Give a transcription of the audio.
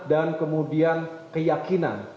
dan kemudian keyakinan